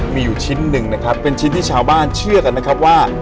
มีอยู่ชิ้นหนึ่งนะครับเป็นชิ้นที่ชาวบ้านเชื่อกันนะครับว่า